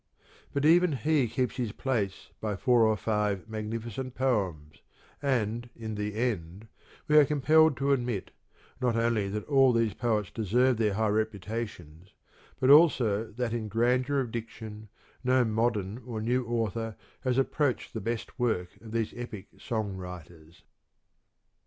But even he keeps his place by four or five magnificent poems, and in the end we are compelled to admit, not only that all these poets deserve their high reputations, but also that in grandeur of diction no modern or new author has approached the best work of these epic song writers.